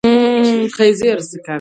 تاریخ د ظلم دښمن دی.